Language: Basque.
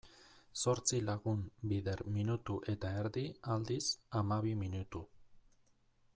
Zortzi lagun bider minutu eta erdi, aldiz, hamabi minutu.